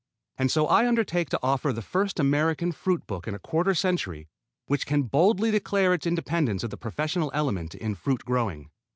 And so I undertake to offer the first American fruit book in a quarter century which can boldly declare its independence of the professional element in fruit growing.